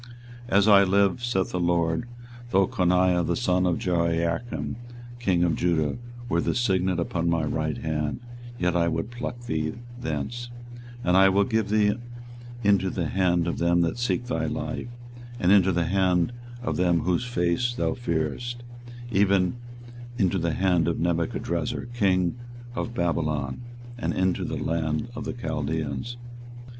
24:022:024 As I live, saith the LORD, though Coniah the son of Jehoiakim king of Judah were the signet upon my right hand, yet would I pluck thee thence; 24:022:025 And I will give thee into the hand of them that seek thy life, and into the hand of them whose face thou fearest, even into the hand of Nebuchadrezzar king of Babylon, and into the hand of the Chaldeans.